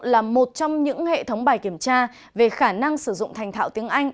là một trong những hệ thống bài kiểm tra về khả năng sử dụng thành thạo tiếng anh